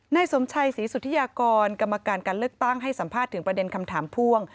นายสมชัยศรีสุธิยากรกรรมการการเลือกตั้งให้สัมภาษณ์ถึงประเด็นคำถามพ่วง